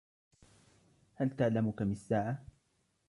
هل تعلم كم الساعة ؟